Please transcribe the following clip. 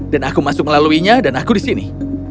dan aku masuk melaluinya dan aku di sini